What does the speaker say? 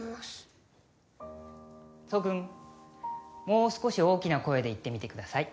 もう少し大きな声で言ってみてください。